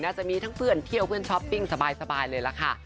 จะมีทั้งเพื่อนเที่ยวเพื่อนช้อปปิ้งสบายเลยล่ะค่ะ